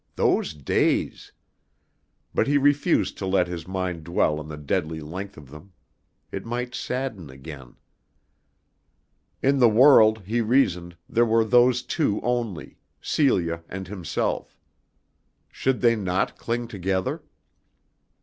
Those days! But he refused to let his mind dwell on the deadly length of them. It might sadden again. In the world, he reasoned, there were those two only, Celia and himself. Should they not cling together?